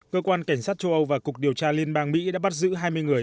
cơ quan cảnh sát châu âu và cục điều tra liên bang mỹ đã bắt giữ hai mươi người ở một số quốc gia